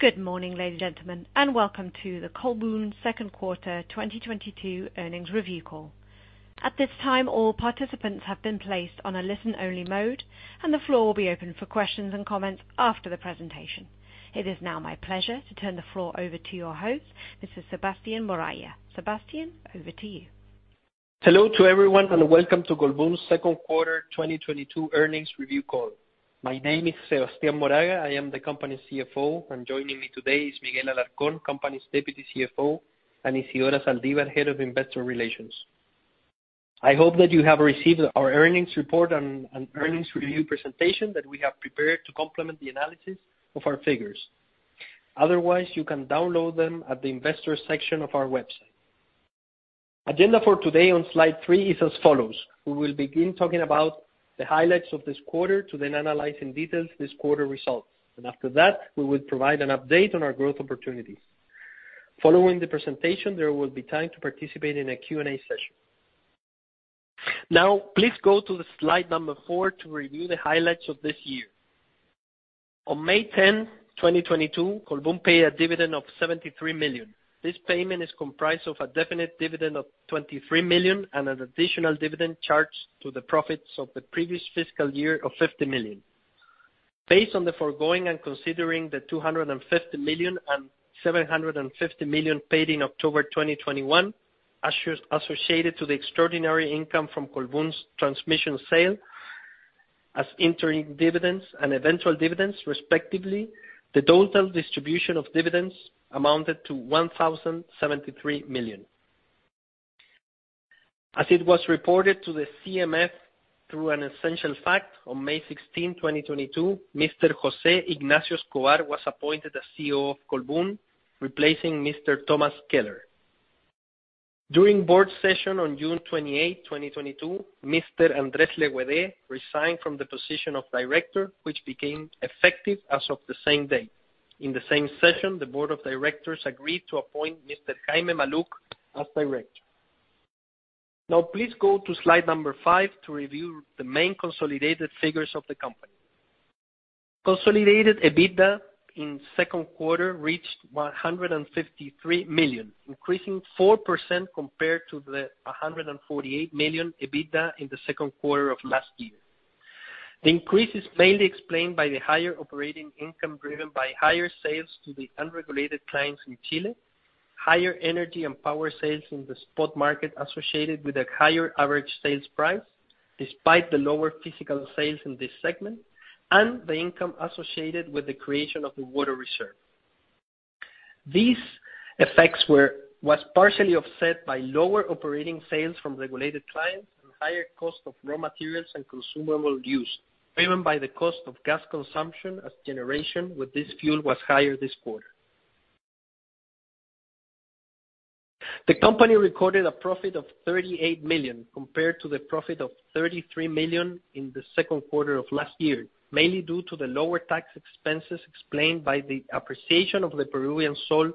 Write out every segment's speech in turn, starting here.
Good morning, ladies and gentlemen, and welcome to the Colbún second quarter 2022 earnings review call. At this time, all participants have been placed on a listen-only mode, and the floor will be open for questions and comments after the presentation. It is now my pleasure to turn the floor over to your host, Mr. Sebastián Moraga. Sebastián, over to you. Hello to everyone, and welcome to Colbún's second quarter 2022 earnings review call. My name is Sebastián Moraga. I am the company's CFO, and joining me today is Miguel Alarcón, company's Deputy CFO, and Isidora Zaldívar, Head of Investor Relations. I hope that you have received our earnings report and earnings review presentation that we have prepared to complement the analysis of our figures. Otherwise, you can download them at the investor section of our website. Agenda for today on slide 3 is as follows. We will begin talking about the highlights of this quarter to then analyze in detail this quarter results. After that, we will provide an update on our growth opportunities. Following the presentation, there will be time to participate in a Q&A session. Now, please go to the slide number four to review the highlights of this year. On May 10, 2022, Colbún paid a dividend of 73 million. This payment is comprised of a definite dividend of 23 million and an additional dividend charged to the profits of the previous fiscal year of 50 million. Based on the foregoing and considering the 250 million and 750 million paid in October 2021, associated to the extraordinary income from Colbún's transmission sale as interim dividends and eventual dividends, respectively, the total distribution of dividends amounted to 1,073 million. As it was reported to the CMF through an essential fact on May 16, 2022, Mr. José Ignacio Escobar was appointed as CEO of Colbún, replacing Mr. Thomas Keller. During board session on June 28, 2022, Mr. Andrés Leguina resigned from the position of director, which became effective as of the same day. In the same session, the board of directors agreed to appoint Mr. Jaime Maluk as director. Now, please go to slide five to review the main consolidated figures of the company. Consolidated EBITDA in second quarter reached 153 million, increasing 4% compared to the 148 million EBITDA in the second quarter of last year. The increase is mainly explained by the higher operating income driven by higher sales to the unregulated clients in Chile, higher energy and power sales in the spot market associated with a higher average sales price, despite the lower physical sales in this segment, and the income associated with the creation of the water reserve. These effects was partially offset by lower operating sales from regulated clients and higher cost of raw materials and consumable use, driven by the cost of gas consumption as generation with this fuel was higher this quarter. The company recorded a profit of 38 million, compared to the profit of 33 million in the second quarter of last year, mainly due to the lower tax expenses explained by the appreciation of the Peruvian sol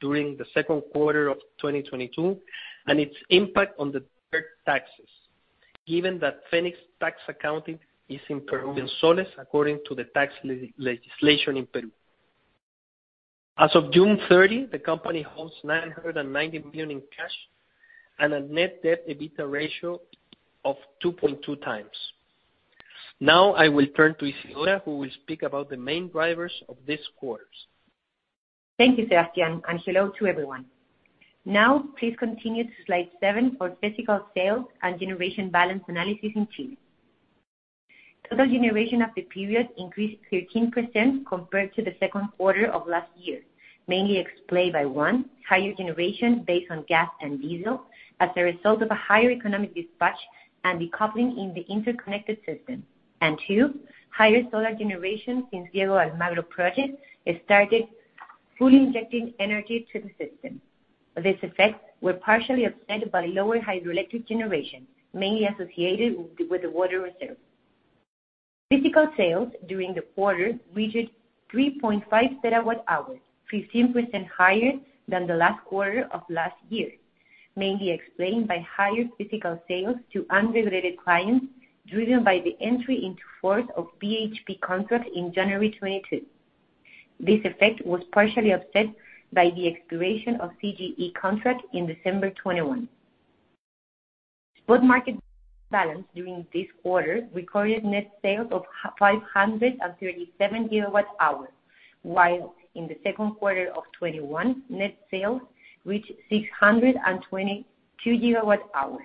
during the second quarter of 2022 and its impact on the deferred taxes. Given that Fenix tax accounting is in Peruvian soles according to the tax legislation in Peru. As of June 30, the company holds 990 million in cash and a net debt EBITDA ratio of 2.2x. Now, I will turn to Isidora, who will speak about the main drivers of this quarter's. Thank you, Sebastian, and hello to everyone. Now, please continue to slide seven for physical sales and generation balance analysis in Chile. Total generation of the period increased 13% compared to the second quarter of last year, mainly explained by, one, higher generation based on gas and diesel as a result of a higher economic dispatch and decoupling in the interconnected system. Two, higher solar generation since Diego de Almagro project has started fully injecting energy to the system. These effects were partially offset by lower hydroelectric generation, mainly associated with the water reserve. Physical sales during the quarter reached 3.5 terawatt-hours, 15% higher than the last quarter of last year, mainly explained by higher physical sales to unregulated clients driven by the entry into force of BHP contract in January 2022. This effect was partially offset by the expiration of CGE contract in December 2021. The merchant balance during this quarter recorded net sales of 537 GWh, while in the second quarter of 2021, net sales reached 622 GWh.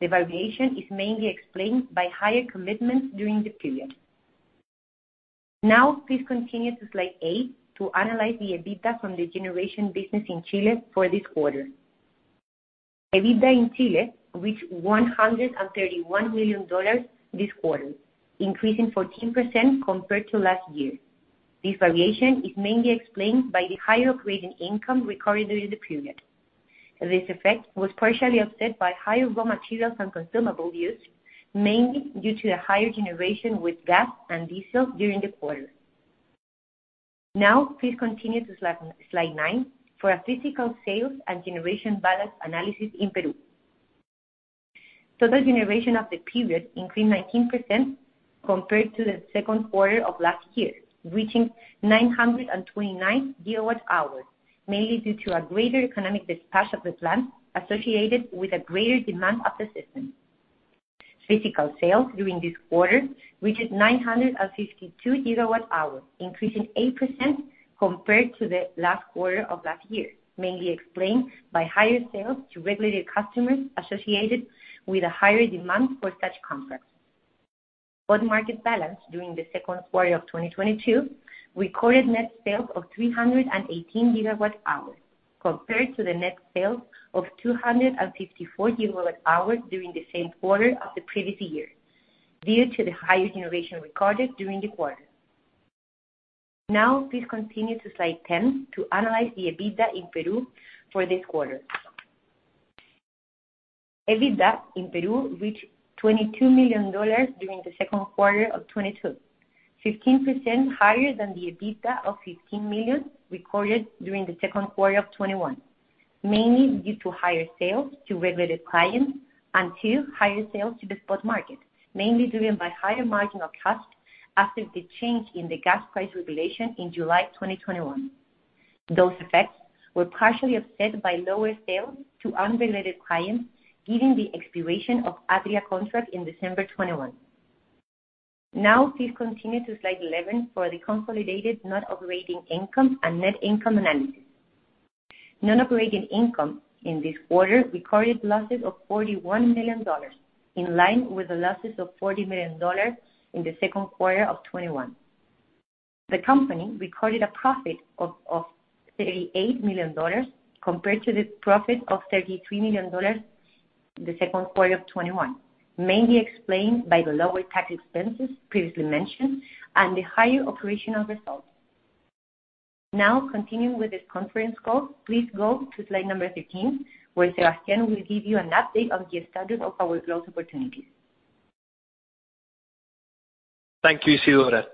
The variation is mainly explained by higher commitments during the period. Now, please continue to slide eight to analyze the EBITDA from the generation business in Chile for this quarter. EBITDA in Chile reached $131 million this quarter, increasing 14% compared to last year. This variation is mainly explained by the higher operating income recorded during the period. This effect was partially offset by higher raw materials and consumable use, mainly due to the higher generation with gas and diesel during the quarter. Now, please continue to slide nine for a physical sales and generation balance analysis in Peru. Total generation of the period increased 19% compared to the second quarter of last year, reaching 929 GWh, mainly due to a greater economic dispatch of the plant associated with a greater demand of the system. Physical sales during this quarter reached 952 GWh, increasing 8% compared to the last quarter of last year, mainly explained by higher sales to regulated customers associated with a higher demand for such contracts. Spot market balance during the second quarter of 2022 recorded net sales of 318 GWh, compared to the net sales of 254 GWh during the same quarter of the previous year, due to the highest generation recorded during the quarter. Now, please continue to slide 10 to analyze the EBITDA in Peru for this quarter. EBITDA in Peru reached $22 million during the second quarter of 2022, 15% higher than the EBITDA of $15 million recorded during the second quarter of 2021, mainly due to higher sales to regulated clients and two, higher sales to the spot market, mainly driven by higher marginal cost after the change in the gas price regulation in July 2021. Those effects were partially offset by lower sales to unregulated clients, given the expiration of a PPA contract in December 2021. Now, please continue to slide 11 for the consolidated non-operating income and net income analysis. Non-operating income in this quarter recorded losses of $41 million, in line with the losses of $40 million in the second quarter of 2021. The company recorded a profit of $38 million, compared to the profit of $33 million the second quarter of 2021, mainly explained by the lower tax expenses previously mentioned and the higher operational results. Now, continuing with this conference call, please go to slide number 13, where Sebastián will give you an update on the status of our growth opportunities. Thank you, Isidora.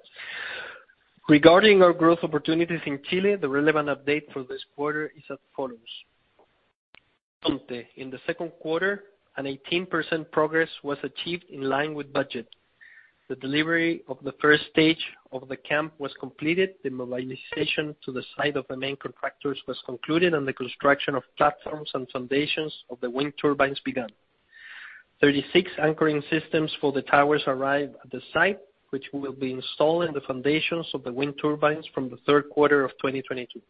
Regarding our growth opportunities in Chile, the relevant update for this quarter is as follows: Horizonte. In the second quarter, an 18% progress was achieved in line with budget. The delivery of the first stage of the camp was completed, the mobilization to the site of the main contractors was concluded, and the construction of platforms and foundations of the wind turbines began. 36 anchoring systems for the towers arrived at the site, which will be installed in the foundations of the wind turbines from the third quarter of 2022.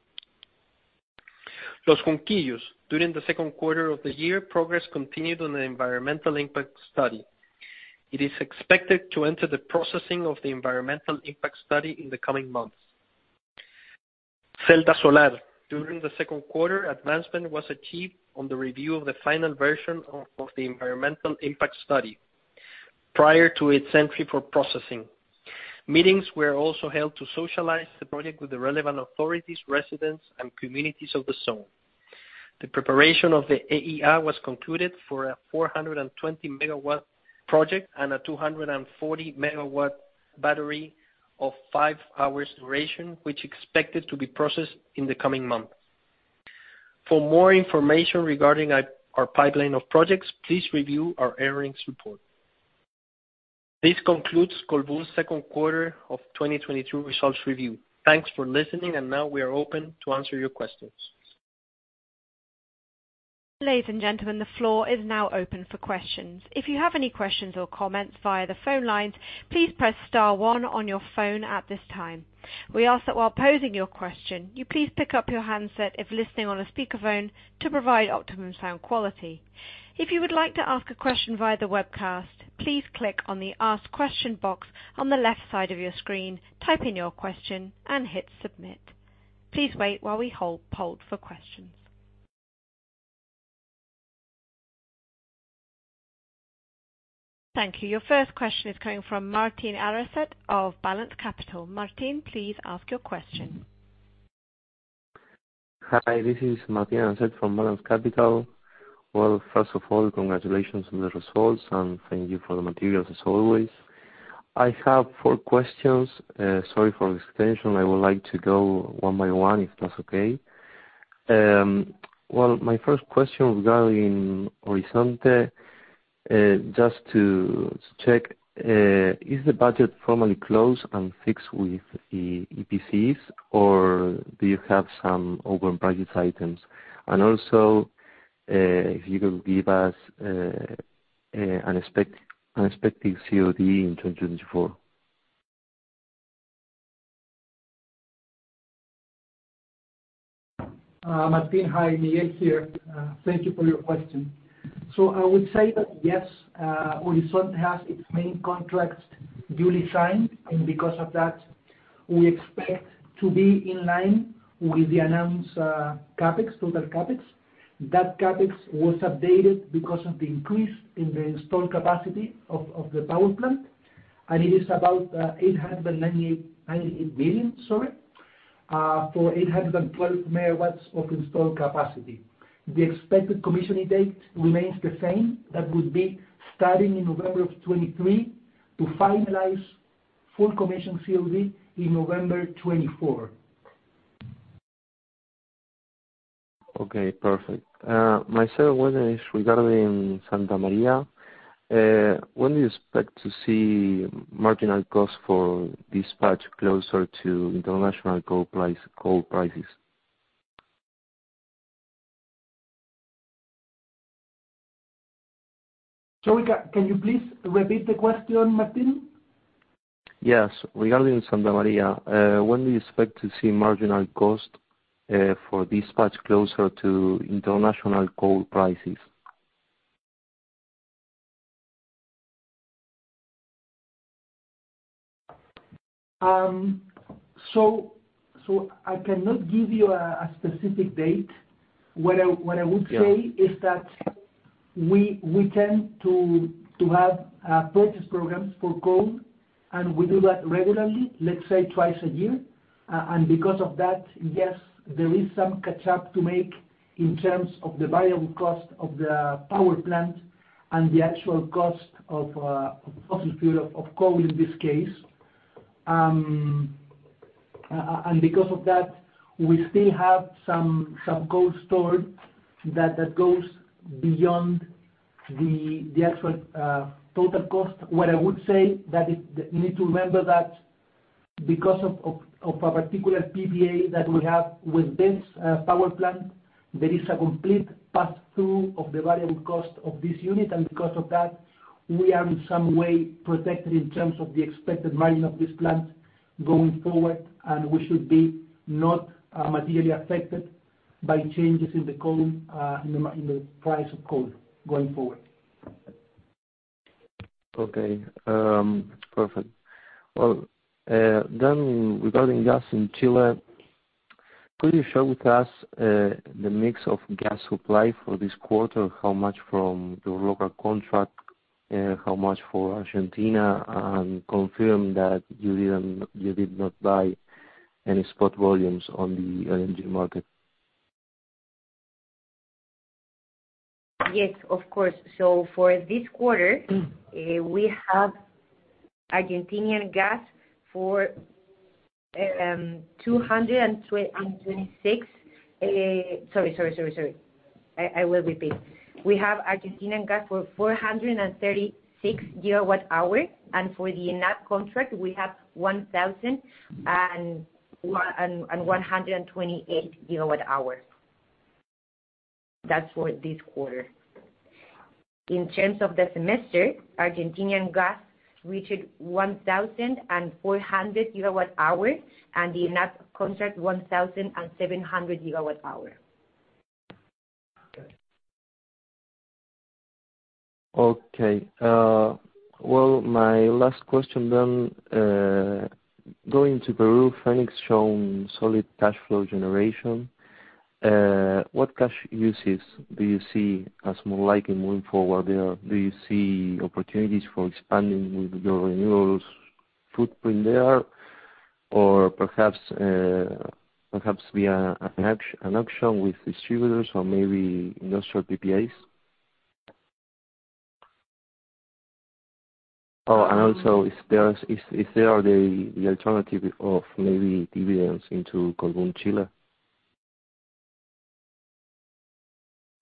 Los Junquillos. During the second quarter of the year, progress continued on the environmental impact study. It is expected to enter the processing of the environmental impact study in the coming months. Celda Solar. During the second quarter, advancement was achieved on the review of the final version of the environmental impact study prior to its entry for processing. Meetings were also held to socialize the project with the relevant authorities, residents, and communities of the zone. The preparation of the AER was concluded for a 420 MW project and a 240 MW battery of five hours duration, which expected to be processed in the coming months. For more information regarding our pipeline of projects, please review our earnings report. This concludes Colbún's second quarter of 2022 results review. Thanks for listening, and now we are open to answer your questions. Ladies and gentlemen, the floor is now open for questions. If you have any questions or comments via the phone lines, please press star one on your phone at this time. We ask that while posing your question, you please pick up your handset if listening on a speaker phone to provide optimum sound quality. If you would like to ask a question via the webcast, please click on the Ask Question box on the left side of your screen, type in your question, and hit Submit. Please wait while we poll for questions. Thank you. Your first question is coming from Martín Arancet of Balanz Capital. Martín, please ask your question. Hi, this is Martín Arancet from Balanz Capital. Well, first of all, congratulations on the results, and thank you for the materials, as always. I have four questions. Sorry for extension. I would like to go one by one, if that's okay. Well, my first question regarding Horizonte, just to check, is the budget formally closed and fixed with the EPCs, or do you have some open budget items? And also, if you could give us an expecting COD in 2024. Martín, hi, Miguel here. Thank you for your question. I would say that yes, Horizonte has its main contracts duly signed, and because of that, we expect to be in line with the announced CapEx, total CapEx. That CapEx was updated because of the increase in the installed capacity of the power plant, and it is about 898 billion, sorry, for 812 MW of installed capacity. The expected commissioning date remains the same. That would be starting in November of 2023 to finalize full commission COD in November 2024. Okay, perfect. My second one is regarding Santa Maria. When do you expect to see marginal cost for dispatch closer to international coal prices? Sorry, can you please repeat the question, Martín? Yes. Regarding Santa Maria, when do you expect to see marginal cost for dispatch closer to international coal prices? I cannot give you a specific date. What I would say. Yeah. is that we tend to have purchase programs for coal, and we do that regularly, let's say twice a year. Because of that, yes, there is some catch up to make in terms of the variable cost of the power plant and the actual cost of fossil fuel, of coal in this case. Because of that, we still have some coal stored that goes beyond the actual total cost. What I would say that is you need to remember that because of a particular PPA that we have with this power plant, there is a complete pass-through of the variable cost of this unit. Because of that, we are in some way protected in terms of the expected margin of this plant going forward, and we should be not materially affected by changes in the coal, in the price of coal going forward. Okay. Perfect. Well, regarding gas in Chile, could you show us the mix of gas supply for this quarter? How much from your local contract, how much for Argentina, and confirm that you did not buy any spot volumes on the LNG market. Yes, of course. For this quarter, we have Argentinian gas for 436 GWh, and for the ENAP contract, we have 1,128 GWh. That's for this quarter. In terms of the semester, Argentinian gas reached 1,400 GWh, and the ENAP contract, 1,700 GWh. Well, my last question then, going to Peru, Fenix has shown solid cash flow generation. What cash uses do you see as more likely moving forward there? Do you see opportunities for expanding with your renewables footprint there? Or perhaps via an auction with distributors or maybe industrial PPAs? Also, if there is the alternative of maybe dividends into Colbún Chile.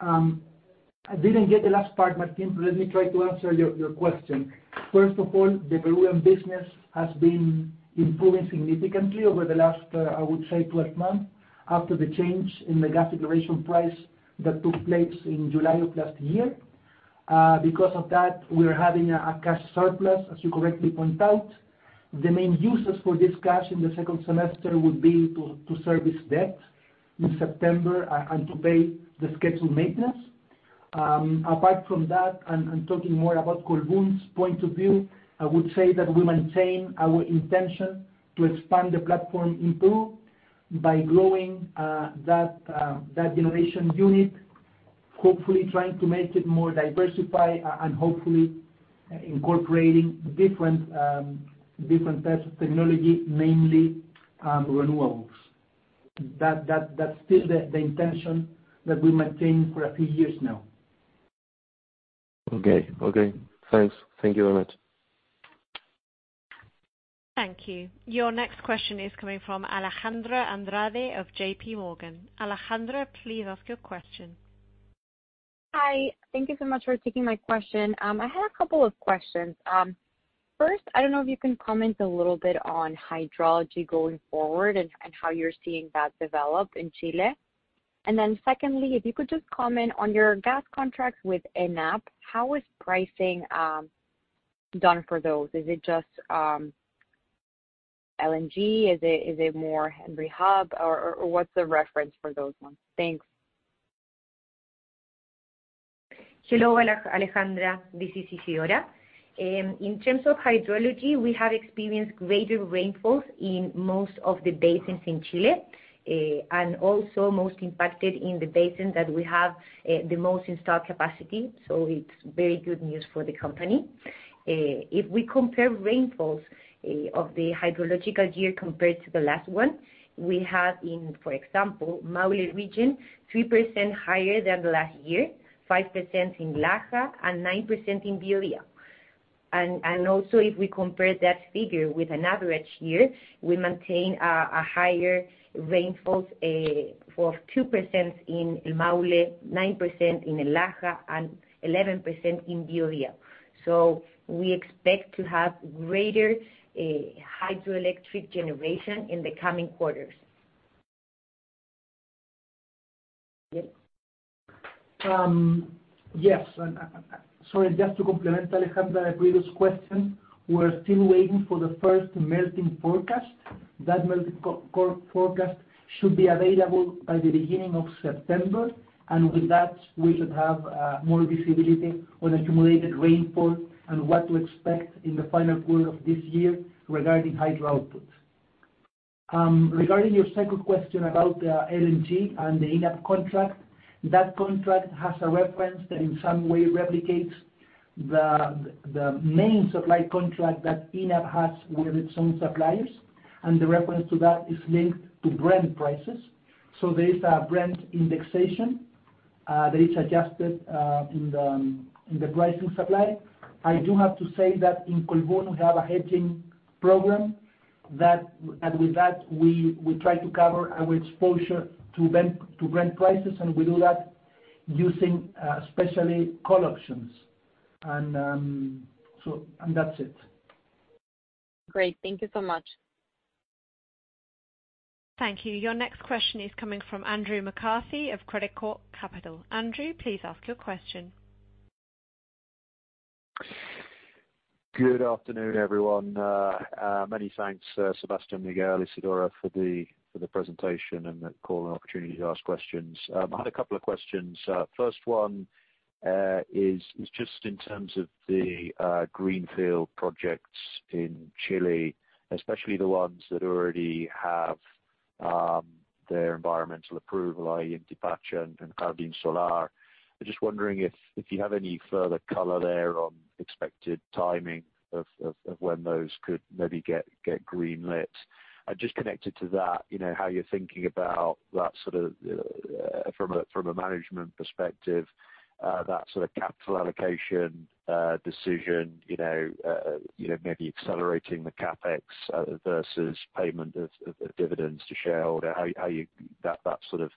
I didn't get the last part, Martín. Let me try to answer your question. First of all, the Peruvian business has been improving significantly over the last 12 months after the change in the gas generation price that took place in July of last year. Because of that, we are having a cash surplus, as you correctly point out. The main uses for this cash in the second semester would be to service debt in September and to pay the scheduled maintenance. Apart from that, and talking more about Colbún's point of view, I would say that we maintain our intention to expand the platform in Peru by growing that generation unit, hopefully trying to make it more diversified and hopefully incorporating different types of technology, mainly renewables. That's still the intention that we maintain for a few years now. Okay. Thanks. Thank you very much. Thank you. Your next question is coming from Alejandra Andrade of JPMorgan. Alejandra, please ask your question. Hi. Thank you so much for taking my question. I had a couple of questions. First, I don't know if you can comment a little bit on hydrology going forward and how you're seeing that develop in Chile. Secondly, if you could just comment on your gas contracts with ENAP, how is pricing done for those? Is it just LNG? Is it more Henry Hub? Or what's the reference for those ones? Thanks. Hello, Alejandra. This is Isidora. In terms of hydrology, we have experienced greater rainfalls in most of the basins in Chile, and also most impacted in the basin that we have the most installed capacity. It's very good news for the company. If we compare rainfalls of the hydrological year compared to the last one, we have, for example, Maule region, 3% higher than the last year, 5% in Laja, and 9% in Biobío. Also if we compare that figure with an average year, we maintain higher rainfalls for 2% in El Maule, 9% in El Laja, and 11% in Biobío. We expect to have greater hydroelectric generation in the coming quarters. Yes? Sorry, just to complement Alejandra's previous question, we're still waiting for the first melting forecast. That melting forecast should be available by the beginning of September. With that, we should have more visibility on accumulated rainfall and what to expect in the final pool of this year regarding hydro outputs. Regarding your second question about LNG and the ENAP contract, that contract has a reference that in some way replicates the main supply contract that ENAP has with its own suppliers, and the reference to that is linked to Brent prices. There is a Brent indexation that is adjusted in the pricing supply. I do have to say that in Colbún, we have a hedging program, and with that we try to cover our exposure to Brent prices, and we do that using especially call options. That's it. Great. Thank you so much. Thank you. Your next question is coming from Andrew McCarthy of Credicorp Capital. Andrew, please ask your question. Good afternoon, everyone. Many thanks, Sebastián, Miguel, Isidora for the presentation and the call and opportunity to ask questions. I had a couple of questions. First one is just in terms of the greenfield projects in Chile, especially the ones that already have their environmental approval, i.e., Inti Pacha and Jardín Solar. I'm just wondering if you have any further color there on expected timing of when those could maybe get green-lit. Just connected to that, you know, how you're thinking about that sort of from a management perspective that sort of capital allocation decision, you know, maybe accelerating the CapEx versus payment of dividends to shareholder. How you... That sort of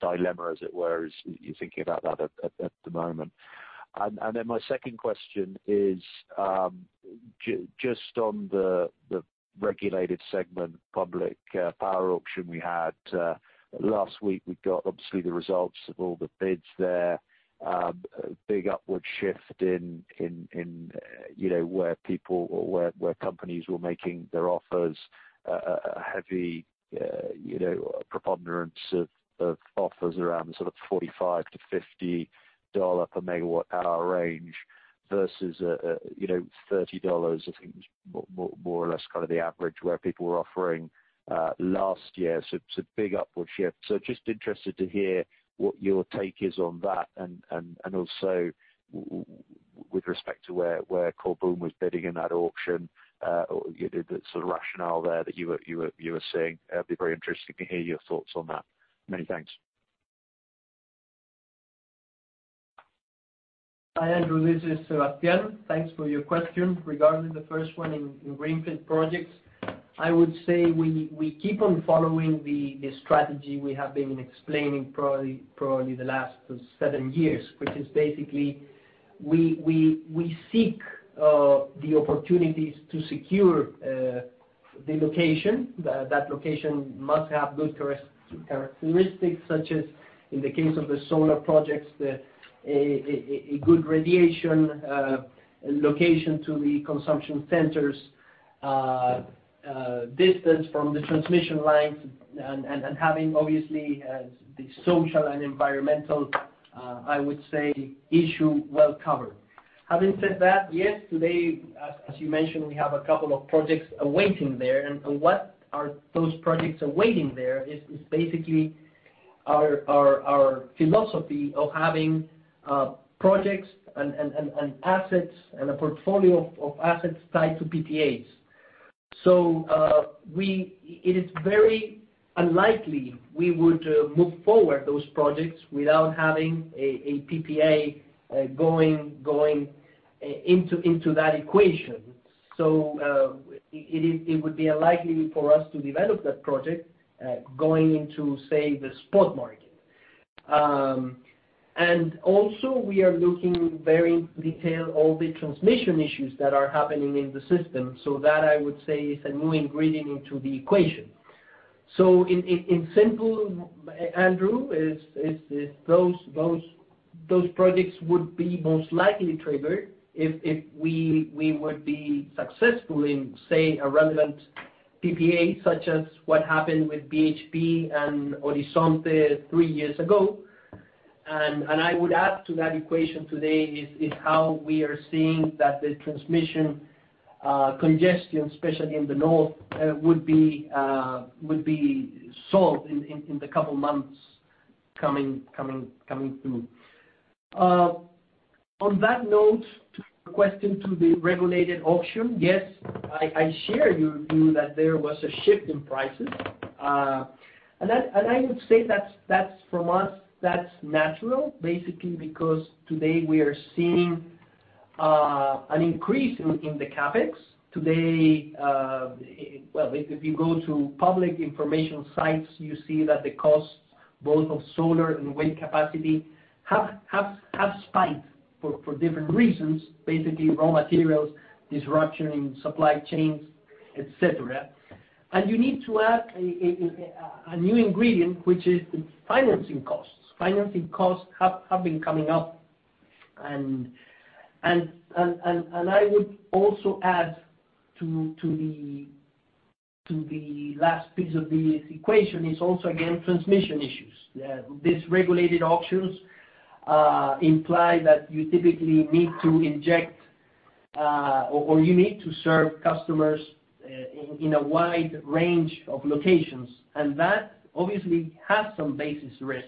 dilemma as it were, are you thinking about that at the moment? Then my second question is just on the regulated segment public power auction we had last week. We got obviously the results of all the bids there. A big upward shift in, you know, where people or where companies were making their offers. A heavy, you know, a preponderance of offers around sort of $45-$50 per MWh range versus, you know, $30, I think, more or less kind of the average where people were offering last year. It's a big upward shift. Just interested to hear what your take is on that and also with respect to where Colbún was bidding in that auction. You know, the sort of rationale there that you were seeing. Be very interested to hear your thoughts on that. Many thanks. Hi, Andrew. This is Sebastián. Thanks for your question. Regarding the first one in greenfield projects, I would say we keep on following the strategy we have been explaining probably the last seven years. Which is basically, we seek the opportunities to secure the location. That location must have good characteristics such as, in the case of the solar projects, a good radiation, location to the consumption centers, distance from the transmission lines and having obviously the social and environmental, I would say, issue well covered. Having said that, yes, today, as you mentioned, we have a couple of projects awaiting there. What are those projects awaiting? There is basically our philosophy of having projects and assets and a portfolio of assets tied to PPAs. It is very unlikely we would move forward those projects without having a PPA going into that equation. It would be unlikely for us to develop that project going into, say, the spot market. We are looking very closely at all the transmission issues that are happening in the system. That, I would say, is a new ingredient into the equation. In simple, Andrew, those projects would be most likely triggered if we would be successful in, say, a relevant PPA, such as what happened with BHP and Horizonte 3 years ago. I would add to that equation today is how we are seeing that the transmission congestion, especially in the north, would be solved in the couple months coming through. On that note, to your question to the regulated auction, yes, I share your view that there was a shift in prices. And that and I would say that's from us, that's natural, basically, because today we are seeing an increase in the CapEx. Today, well, if you go to public information sites, you see that the costs both of solar and wind capacity have spiked for different reasons, basically raw materials, disruption in supply chains, et cetera. You need to add a new ingredient, which is the financing costs. Financing costs have been coming up. I would also add to the last piece of the equation is also again transmission issues. These regulated auctions imply that you typically need to inject or you need to serve customers in a wide range of locations. That obviously has some basis risk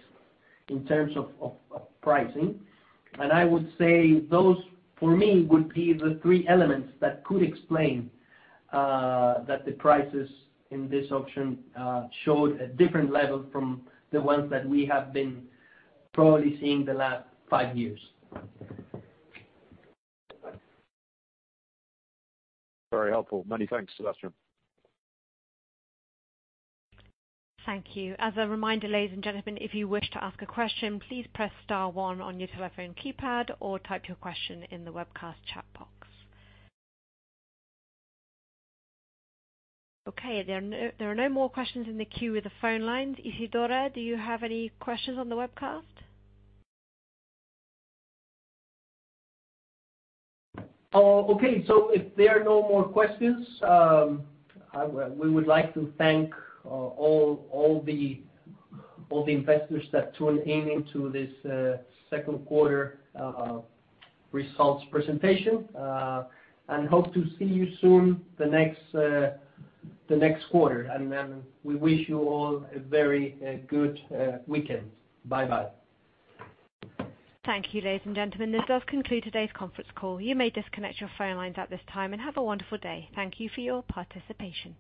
in terms of pricing. I would say those, for me, would be the three elements that could explain that the prices in this auction showed a different level from the ones that we have been probably seeing the last five years. Very helpful. Many thanks, Sebastián. Thank you. As a reminder, ladies and gentlemen, if you wish to ask a question, please press star one on your telephone keypad or type your question in the webcast chat box. Okay. There are no more questions in the queue or the phone lines. Isidora, do you have any questions on the webcast? Okay, if there are no more questions, we would like to thank all the investors that tuned in to this second quarter results presentation and hope to see you soon in the next quarter. We wish you all a very good weekend. Bye-bye. Thank you, ladies and gentlemen. This does conclude today's conference call. You may disconnect your phone lines at this time, and have a wonderful day. Thank you for your participation.